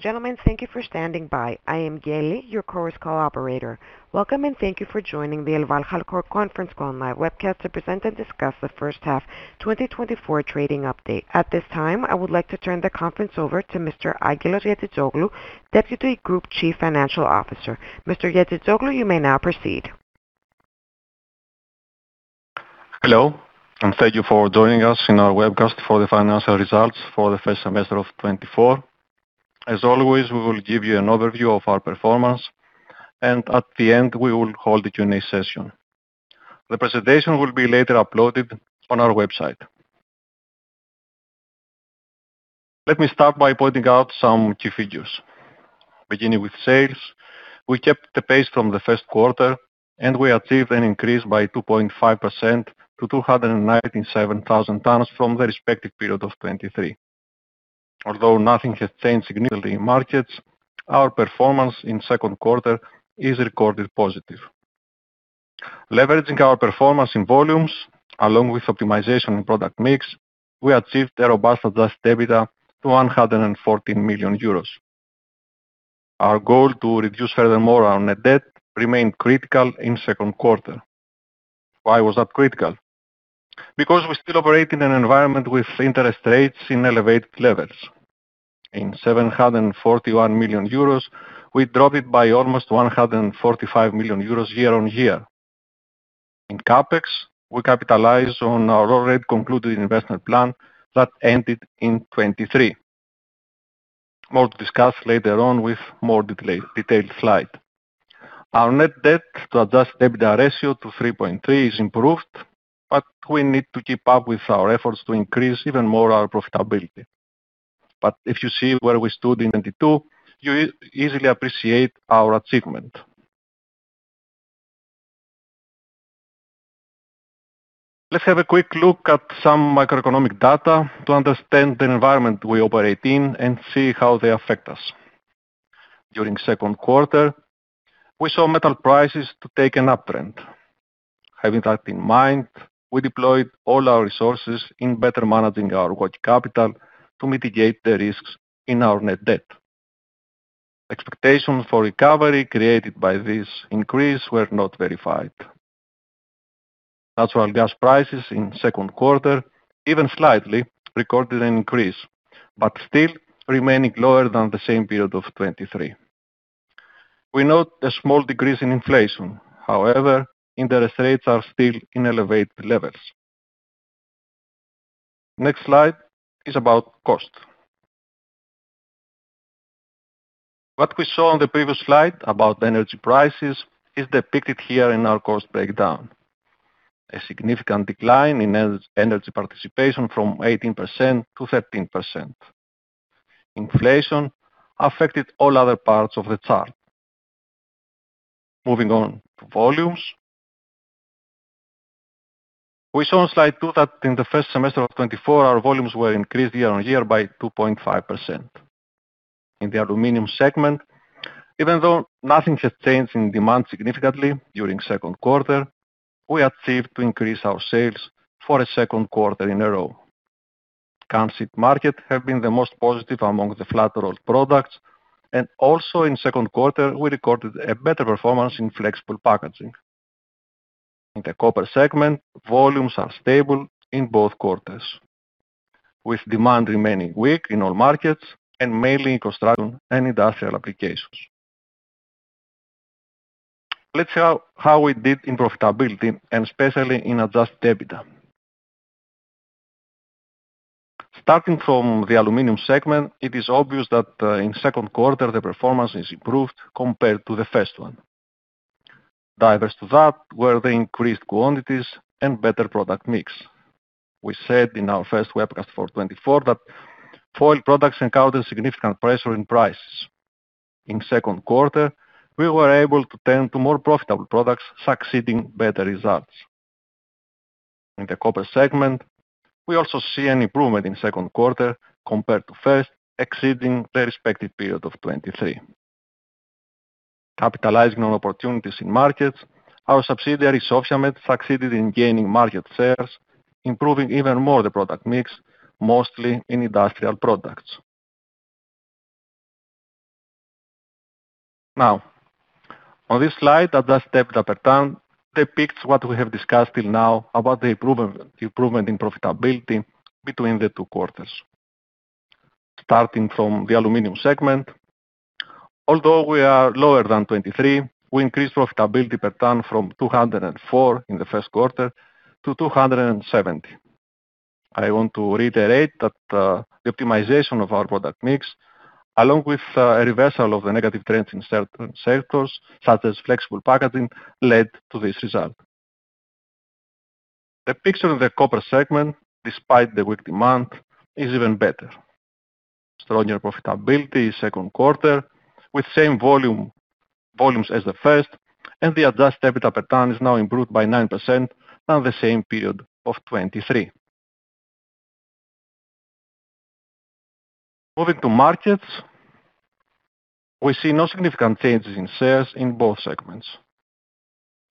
Gentlemen, thank you for standing by. I am Geli, your Chorus Call operator. Welcome, and thank you for joining the ElvalHalcor conference call and live webcast to present and discuss the first half 2024 trading update. At this time, I would like to turn the conference over to Mr. Angelos Giazitzoglou, Deputy Group Chief Financial Officer. Mr. Angelos Giazitzoglou, you may now proceed. Hello, and thank you for joining us in our webcast for the financial results for the first semester of 2024. As always, we will give you an overview of our performance and at the end, we will hold the Q&A session. The presentation will be later uploaded on our website. Let me start by pointing out some key figures. Beginning with sales, we kept the pace from the first quarter, and we achieved an increase by 2.5% to 297,000 tons from the respective period of 2023. Although nothing has changed significantly in markets, our performance in second quarter is recorded positive. Leveraging our performance in volumes, along with optimization in product mix, we achieved a robust adjusted EBITDA of 114 million euros. Our goal to reduce further our net debt remained critical in second quarter. Why was that critical? Because we still operate in an environment with interest rates in elevated levels. In 741 million euros, we dropped it by almost 145 million euros year-on-year. In CapEx, we capitalize on our already concluded investment plan that ended in 2023. More to discuss later on with more detailed slide. Our net debt to adjusted EBITDA ratio to 3.3 is improved, but we need to keep up with our efforts to increase even more our profitability. If you see where we stood in 2022, you easily appreciate our achievement. Let's have a quick look at some macroeconomic data to understand the environment we operate in and see how they affect us. During second quarter, we saw metal prices to take an uptrend. Having that in mind, we deployed all our resources in better managing our working capital to mitigate the risks in our net debt. Expectations for recovery created by this increase were not verified. Natural gas prices in second quarter, even slightly, recorded an increase, but still remaining lower than the same period of 2023. We note a small decrease in inflation. However, interest rates are still in elevated levels. Next slide is about cost. What we saw on the previous slide about energy prices is depicted here in our cost breakdown. A significant decline in energy participation from 18%-13%. Inflation affected all other parts of the chart. Moving on to volumes. We saw on slide two that in the first semester of 2024, our volumes were increased year-on-year by 2.5%. In the aluminum segment, even though nothing has changed in demand significantly during second quarter, we achieved to increase our sales for a second quarter in a row. Can sheet market has been the most positive among the flat-rolled products, and also in second quarter, we recorded a better performance in flexible packaging. In the copper segment, volumes are stable in both quarters, with demand remaining weak in all markets and mainly in construction and industrial applications. Let's see how we did in profitability and especially in adjusted EBITDA. Starting from the aluminum segment, it is obvious that in second quarter, the performance is improved compared to the first one. Due to that were the increased quantities and better product mix. We said in our first webcast for 2024 that foil products encountered significant pressure in prices. In second quarter, we were able to turn to more profitable products, succeeding better results. In the copper segment, we also see an improvement in second quarter compared to first, exceeding the respective period of 2023. Capitalizing on opportunities in markets, our subsidiary, Sofia Med, succeeded in gaining market shares, improving even more the product mix, mostly in industrial products. Now, on this slide, adjusted EBITDA per ton depicts what we have discussed till now about the improvement in profitability between the two quarters. Starting from the aluminum segment, although we are lower than 2023, we increased profitability per ton from 204 in the first quarter to 270. I want to reiterate that, the optimization of our product mix, along with, a reversal of the negative trends in certain sectors, such as flexible packaging, led to this result. The picture of the copper segment despite the weak demand is even better. Stronger profitability second quarter with same volume, volumes as the first, and the adjusted EBITDA per ton is now improved by 9% than the same period of 2023. Moving to markets we see no significant changes in shares in both segments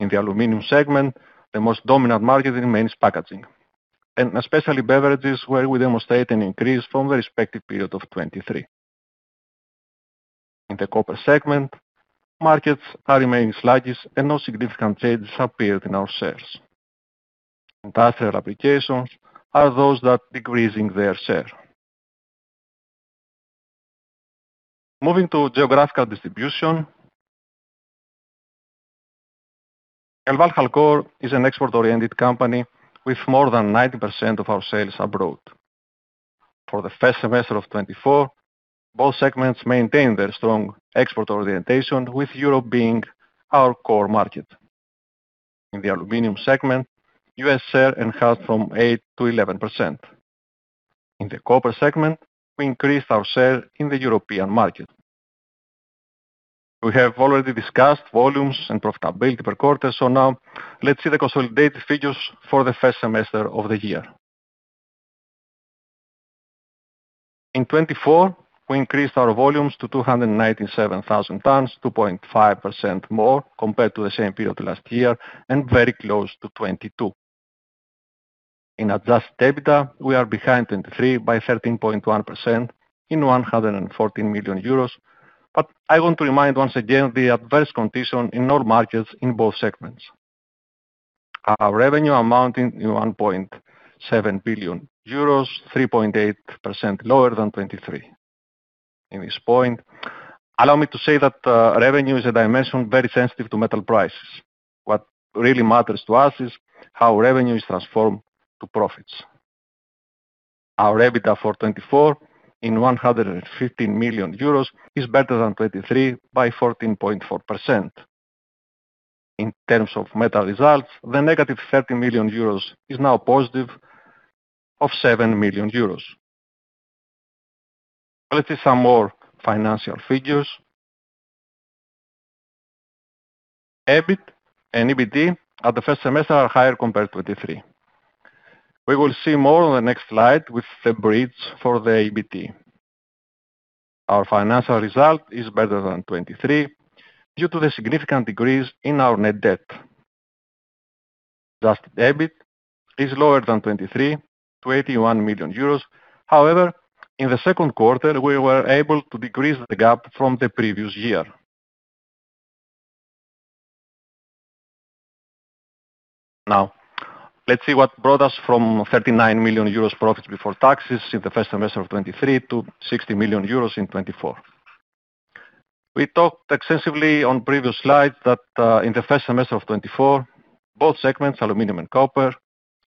in the aluminum segment, the most dominant market remains packaging, and especially beverages where we demonstrate an increase from the respective period of 2023. In the copper segment, markets are remaining sluggish and no significant changes appeared in our sales. Industrial applications are those that decreasing their share. Moving to geographical distribution ElvalHalcor is an export-oriented company with more than 90% of our sales abroad. For the first semester of 2024, both segments maintain their strong export orientation, with Europe being our core market. In the aluminum segment, our share increased from 8%-11%. In the copper segment we increased our share in the European market. We have already discussed volumes and profitability per quarter now let's see the consolidated figures for the first semester of the year. In 2024, we increased our volumes to 297,000 tons, 2.5% more compared to the same period last year and very close to 2022. In adjusted EBITDA, we are behind 2023 by 13.1% in 114 million euros. I want to remind once again the adverse condition in our markets in both segments. Our revenue amounting to 1.7 billion euros, 3.8% lower than 2023. At this point, allow me to say that revenue is a dimension very sensitive to metal prices. What really matters to us is how revenue is transformed to profits. Our EBITDA for 2024 is 115 million euros better than 2023 by 14.4%. In terms of metal results, the negative 30 million euros is now positive 7 million euros. Let's see some more financial figures. EBIT and EBT at the first semester are higher compared to 2023. We will see more on the next slide with the bridge for the EBT. Our financial result is better than 2023 due to the significant decrease in our net debt. Adjusted EBIT is lower than 2023, 21 million euros. However, in the second quarter, we were able to decrease the gap from the previous year. Now, let's see what brought us from 39 million euros profit before taxes in the first semester of 2023 to 60 million euros in 2024. We talked extensively on previous slides that in the first semester of 2024, both segments, aluminum and copper,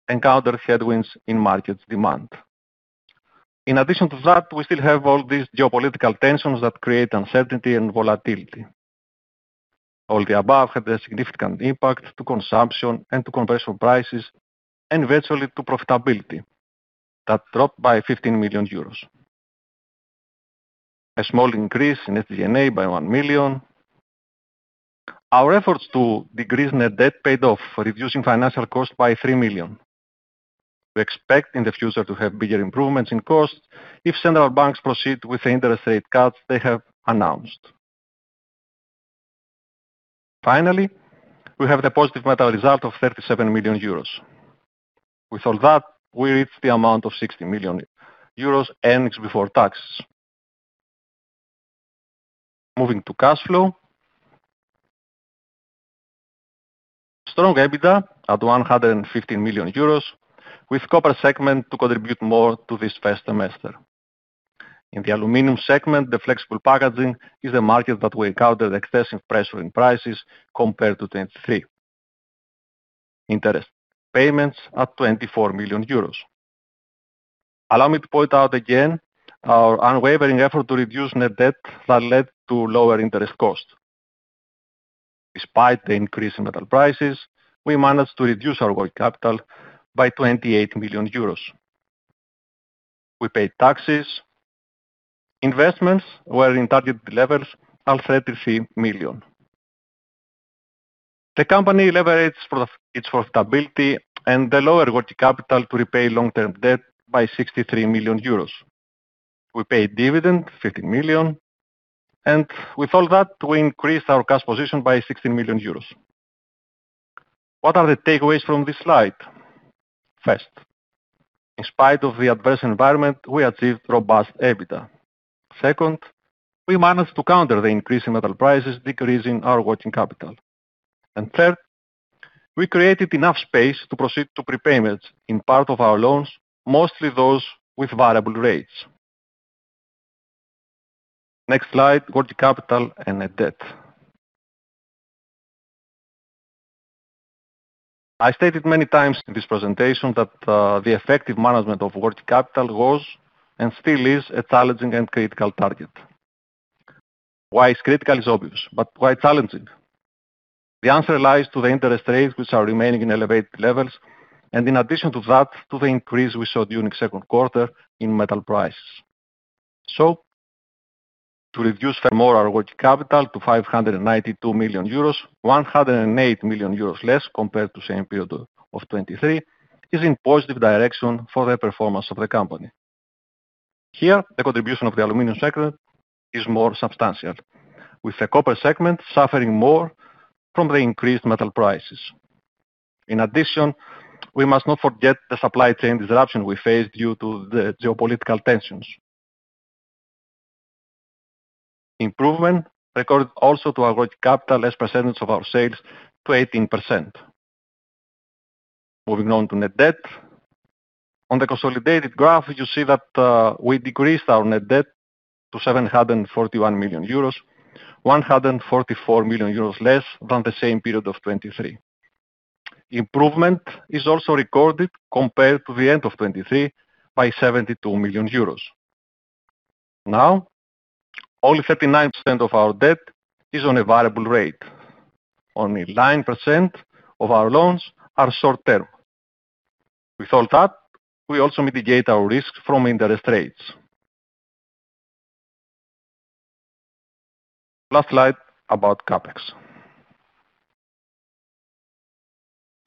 encounter headwinds in market demand. In addition to that, we still have all these geopolitical tensions that create uncertainty and volatility. All the above had a significant impact to consumption and to commercial prices, and virtually to profitability that dropped by 15 million euros. A small increase in SG&A by 1 million. Our efforts to decrease net debt paid off, reducing financial costs by 3 million. We expect in the future to have bigger improvements in cost if central banks proceed with the interest rate cuts they have announced. Finally, we have the positive metal result of 37 million euros. With all that we reach the amount of 60 million euros earnings before taxes. Moving to cash flow. Strong EBITDA at 115 million euros with copper segment to contribute more to this first semester. In the aluminum segment, the flexible packaging is a market that we encountered excessive pressure in prices compared to 2023 interest payments at 24 million euros. Allow me to point out again our unwavering effort to reduce net debt that led to lower interest costs. Despite the increase in metal prices, we managed to reduce our working capital by 28 million euros. We paid taxes investments were in targeted levels at 33 million. The company leverages its profitability and the lower working capital to repay long-term debt by 63 million euros. We paid dividend, 15 million. With all that, we increased our cash position by 16 million euros. What are the takeaways from this slide? First, in spite of the adverse environment, we achieved robust EBITDA. Second, we managed to counter the increase in metal prices decreasing our working capital. Third, we created enough space to proceed to prepayments in part of our loans mostly those with variable rates. Next slide, working capital and net debt. I stated many times in this presentation that the effective management of working capital was and still is a challenging and critical target. Why it's critical is obvious, but why challenging? The answer lies to the interest rates, which are remaining in elevated levels, and in addition to that, to the increase we saw during second quarter in metal prices. To reduce far more our working capital to 592 million euros, 108 million euros less compared to same period of 2023, is in positive direction for the performance of the company. Here, the contribution of the aluminum segment is more substantial with the copper segment suffering more from the increased metal prices. In addition, we must not forget the supply chain disruption we faced due to the geopolitical tensions. Improvement recorded also to our working capital as percentage of our sales to 18%. Moving on to net debt. On the consolidated graph you see that we decreased our net debt to 741 million euros, 144 million euros less than the same period of 2023. Improvement is also recorded compared to the end of 2023 by 72 million euros. Now, only 39% of our debt is on a variable rate. Only 9% of our loans are short-term. With all that, we also mitigate our risks from interest rates. Last slide about CapEx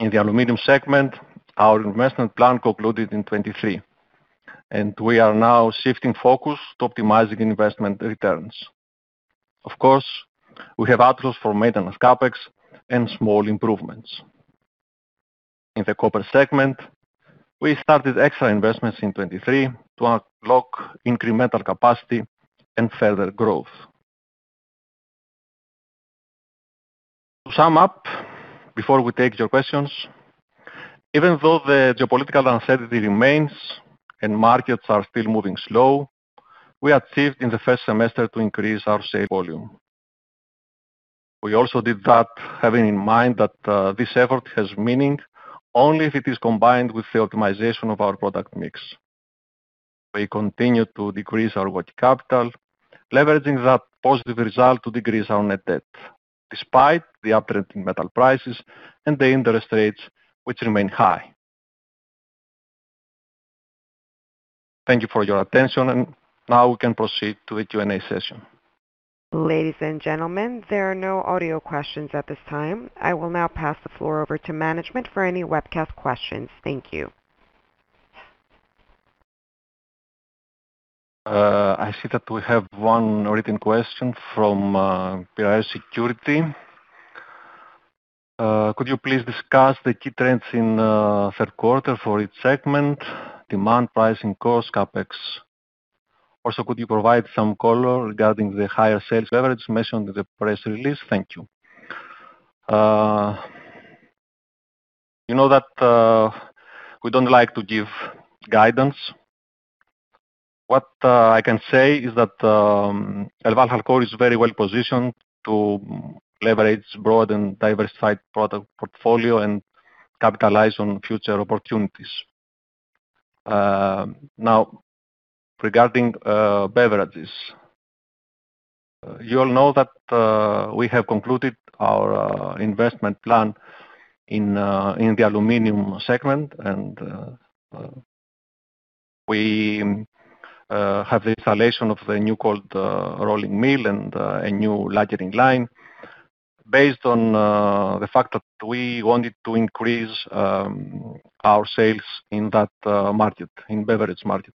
in the aluminum segment, our investment plan concluded in 2023, and we are now shifting focus to optimizing investment returns. Of course, we have outflows for maintenance CapEx and small improvements. In the copper segment, we started extra investments in 2023 to unlock incremental capacity and further growth. To sum up, before we take your questions, even though the geopolitical uncertainty remains and markets are still moving slow we achieved in the first semester to increase our sale volume. We also did that having in mind that this effort has meaning only if it is combined with the optimization of our product mix. We continue to decrease our working capital leveraging that positive result to decrease our net debt, despite the uptrend in metal prices and the interest rates which remain high. Thank you for your attention, and now we can proceed to the Q&A session. Ladies and gentlemen, there are no audio questions at this time. I will now pass the floor over to management for any webcast questions. Thank you. I see that we have one written question from Piraeus Securities. Could you please discuss the key trends in third quarter for each segment, demand, pricing, cost, CapEx? Also, could you please provide some color regarding the higher sales leverage mentioned in the press release? Thank you. You know that we don't like to give guidance. What I can say is that ElvalHalcor is very well positioned to leverage broad and diversified product portfolio and capitalize on future opportunities. Now, regarding beverages. You all know that we have concluded our investment plan in the aluminum segment and we have the installation of the new cold rolling mill and a new lacquering line based on the fact that we wanted to increase our sales in that market in beverage market.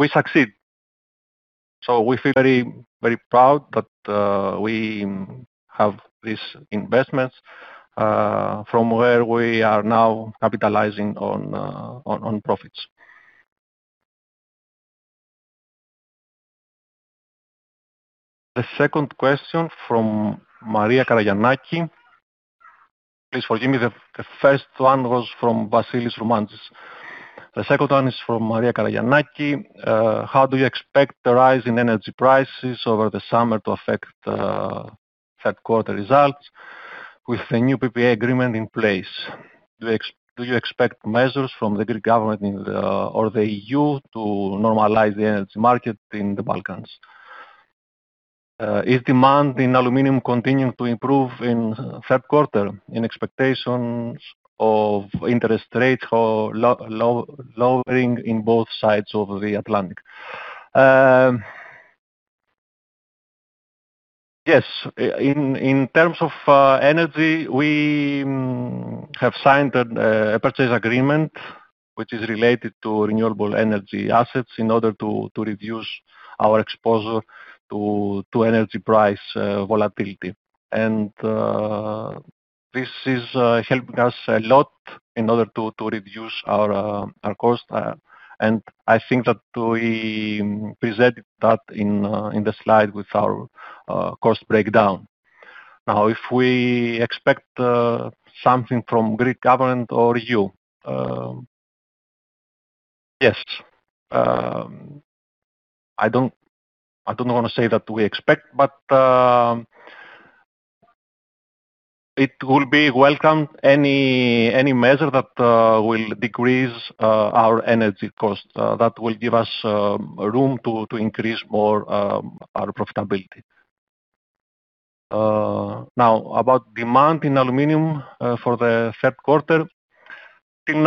We succeed. We feel very, very proud that we have these investments from where we are now capitalizing on profits. The second question from Maria Karagiannaki. Please forgive me. The first one was from Vasilis Romanos. The second one is from Maria Karagiannaki. How do you expect the rise in energy prices over the summer to affect third quarter results with the new PPA agreement in place? Do you expect measures from the Greek government or the EU to normalize the energy market in the Balkans? Is demand in aluminum continuing to improve in third quarter in expectations of interest rates lowering in both sides of the Atlantic? Yes. In terms of energy, we have signed a purchase agreement which is related to renewable energy assets in order to reduce our exposure to energy price volatility. This is helping us a lot in order to reduce our cost. I think that we presented that in the slide with our cost breakdown. Now, if we expect something from Greek government or EU, yes. I don't wanna say that we expect, but it will be welcome any measure that will decrease our energy cost that will give us room to increase more our profitability. Now, about demand in aluminum for the third quarter. Till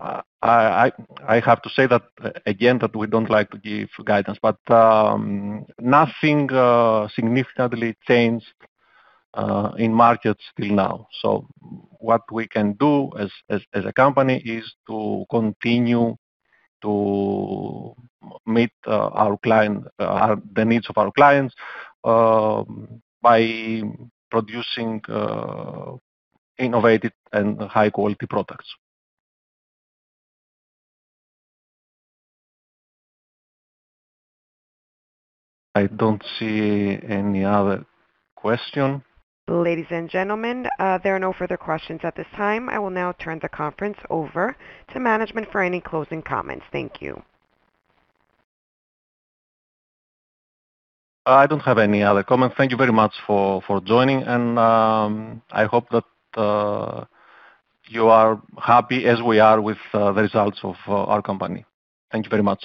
now, we I have to say that again that we don't like to give guidance, but nothing significantly changed in markets till now. What we can do as a company is to continue to meet the needs of our clients by producing innovative and high quality products. I don't see any other question. Ladies and gentlemen, there are no further questions at this time. I will now turn the conference over to management for any closing comments. Thank you. I don't have any other comments. Thank you very much for joining and I hope that you are happy as we are with the results of our company. Thank you very much.